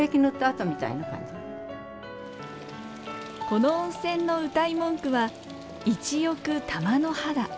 この温泉のうたい文句は「一浴玉の肌」。